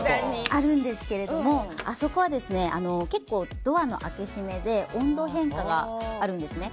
あるんですけどあそこはドアの開け閉めで温度変化があるんですね。